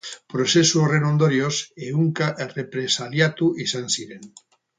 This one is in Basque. Prozesu horren ondorioz, ehunka errepresaliatu izan ziren.